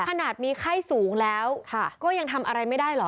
ขนาดมีไข้สูงแล้วก็ยังทำอะไรไม่ได้เหรอ